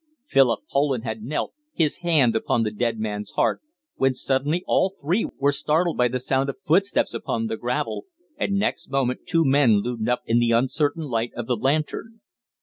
Philip Poland had knelt, his hand upon the dead man's heart, when suddenly all three were startled by the sound of footsteps upon the gravel, and next moment two men loomed up into the uncertain light of the lantern.